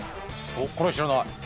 「これは知らない」